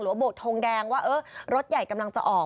หรือว่าโบกทงแดงว่ารถใหญ่กำลังจะออก